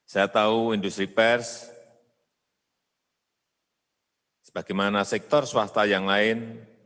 saya tahu industri pers sebagaimana sektor swasta yang lain